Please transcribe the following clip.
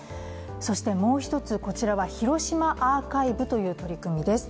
そしてもう一つ、こちらはヒロシマ・アーカイブという取り組みです。